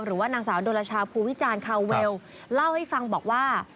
หรือว่านางสาวโดรชาภูวิจารณ์คาเวลเล่าให้ฟังบอกว่า